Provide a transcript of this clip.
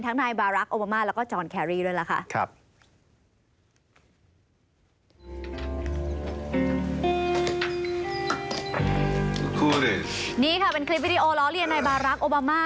นายบารักษ์โอบามาแล้วก็จอนแครรี่ด้วยล่ะค่ะ